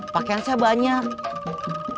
pakaian saya banyak